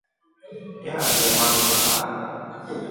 Yande makuta.